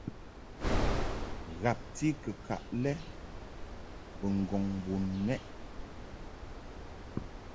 Ghabti kɨkaʼ lɛ mbo ŋgɔŋ bun mɛʼ.